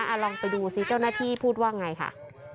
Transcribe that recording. เอาลองไปดูสิเจ้าหน้าที่พูดว่าไงค่ะ